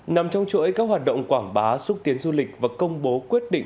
nằm trong chuỗi các hoạt động quảng bá xúc tiến du lịch và công bố quyết định